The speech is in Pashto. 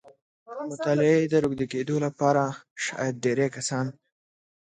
په مطالعې د روږدي کېدو لپاره شاید ډېری کسان